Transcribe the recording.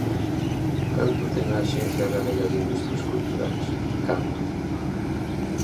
¿Canto ten a Axencia Galega de Industrias Culturais?, ¿canto?